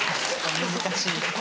難しい。